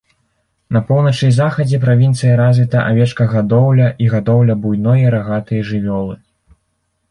На поўначы і захадзе правінцыі развіта авечкагадоўля і гадоўля буйной рагатай жывёлы.